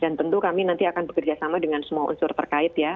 dan tentu kami nanti akan bekerja sama dengan semua unsur terkait ya